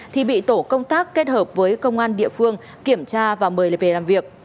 thì bị tổ công tác kết hợp với công an địa phương kiểm tra và mời về làm việc